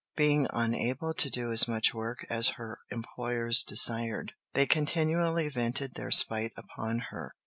Being unable to do as much work as her employers desired, they continually vented their spite upon her.